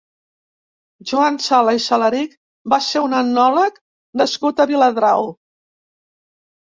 Joan Sala i Salarich va ser un etnòleg nascut a Viladrau.